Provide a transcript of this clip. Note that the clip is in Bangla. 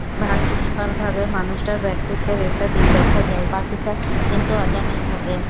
ভার্চুয়ালভাবে মানুষটার ব্যক্তিত্বের একটা দিক দেখা যায়, বাকিটা কিন্তু অজানাই থাকে।